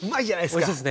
おいしいですね。